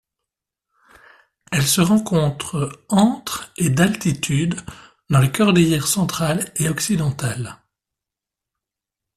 Elle se rencontre entre et d'altitude dans les Cordillères centrale et occidentale.